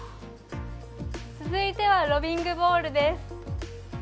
続いてはロビングショットです。